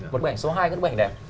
một bức ảnh số hai là một bức ảnh đẹp